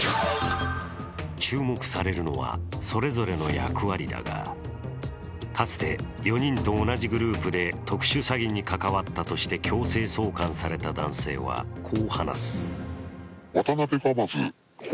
注目されるのはそれぞれの役割だが、かつて４人と同じグループで特殊詐欺に関わったとして強制送還された男性はこう話す。